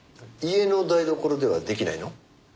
家の台所では出来ないの？